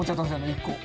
１個。